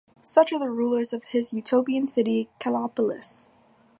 Such are the rulers of his utopian city Kallipolis.